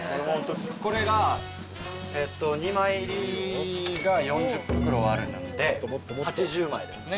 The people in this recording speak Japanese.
これが２枚入りが４０袋あるので８０枚ですね。